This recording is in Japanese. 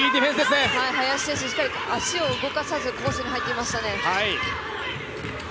林選手、足を動かさずコースに入っていましたね。